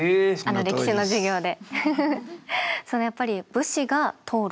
歴史の授業で。